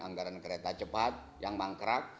anggaran kereta cepat yang mangkrak